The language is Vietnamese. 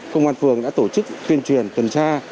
công an phường đã tổ chức tuyên truyền tuần tra